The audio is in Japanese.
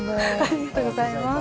ありがとうございます。